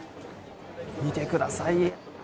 見てください！